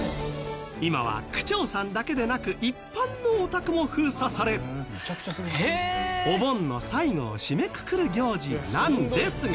今は区長さんだけでなく一般のお宅も封鎖されお盆の最後を締めくくる行事なんですが。